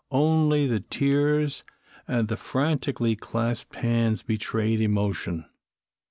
Only the tears and the frantically clasped hands betrayed emotion.